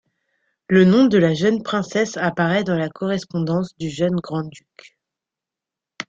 Le nom de la jeune princesse apparaît dans la correspondance du jeune grand-duc.